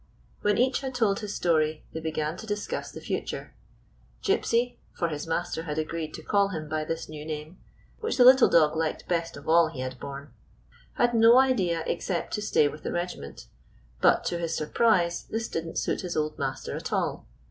When each had told his story, they began to discuss the future. Gypsy — for his master had agreed to call him by this new name, which the little dog liked best of all he had borne — had no idea except to stay with the regiment ; but, to his surprise, this did n't suit his old master at all.